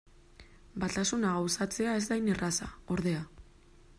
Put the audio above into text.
Batasuna gauzatzea ez da hain erraza, ordea.